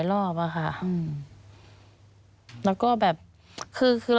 มันจอดอย่างง่ายอย่างง่าย